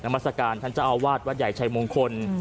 มัศกาลท่านเจ้าอาวาสวัดใหญ่ชัยมงคล